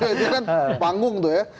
itu kan panggung tuh ya